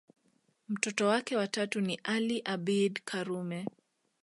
Mtoto wake wa tatu ni Ali Abeid Karume